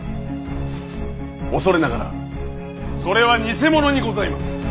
恐れながらそれは偽物にございます。